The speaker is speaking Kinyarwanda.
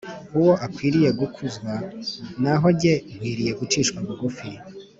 . Uwo akwiriye gukuzwa; naho jye nkwiriye kwicisha bugufi.”